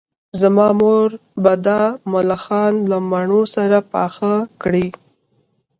زما مور به دا ملخان له مڼو سره پاخه کړي